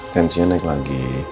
tensinya naik lagi